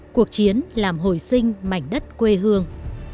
cuộc chiến làm hồi sinh mảnh đất quê hương